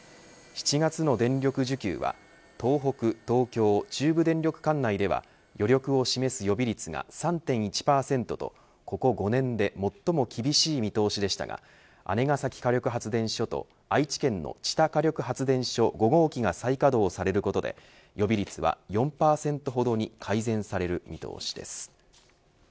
７月の電力需給は東北、東京、中部電力管内では余力を示す予備率が３．１％とここ５年で最も厳しい見通しでしたが姉崎火力発電所と愛知県の知多火力発電所５号機が再稼働されることで予備率は４％ほどに改善される見通しです。